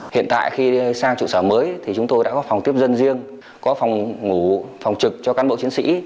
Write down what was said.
hiện tại khi sang trụ sở mới thì chúng tôi đã có phòng tiếp dân riêng có phòng ngủ phòng trực cho cán bộ chiến sĩ